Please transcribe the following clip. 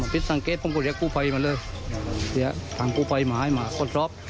พิษสังเกตผมก็เรียกรูไฟมาเลยเดี๋ยวทางรูไฟมาให้มากก็ทรอบ